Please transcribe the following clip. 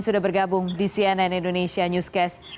sudah bergabung di cnn indonesia newscast